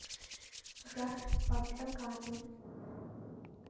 Dubbed What a Cartoon!